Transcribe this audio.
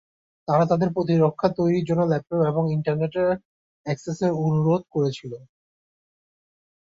তারা তাদের প্রতিরক্ষা তৈরির জন্য ল্যাপটপ এবং ইন্টারনেট অ্যাক্সেসের অনুরোধ করেছিল।